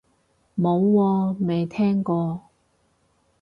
冇喎，未聽過